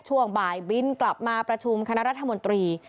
ช่วงบ่ายบินกลับมาประชุมคณะรัฐมนตรี